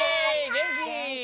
げんき！